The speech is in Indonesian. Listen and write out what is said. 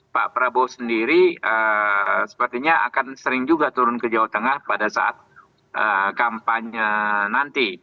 pak prabowo sendiri sepertinya akan sering juga turun ke jawa tengah pada saat kampanye nanti